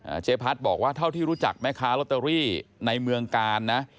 เจ๊พัดบอกว่าเท่าที่รู้จักแม่ค้าลอตเตอรี่ในเมืองกาลนะ